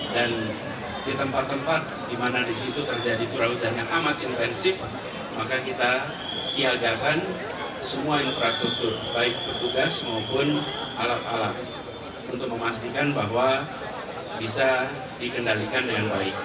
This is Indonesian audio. dan di tempat tempat di mana terjadi curah hujan yang amat intensif maka kita sialgakan semua infrastruktur baik petugas maupun alat alat untuk memastikan bahwa bisa dikendalikan dengan baik